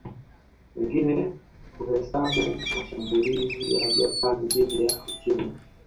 Wengine huhesabu mashambulizi ya Japani dhidi ya Uchina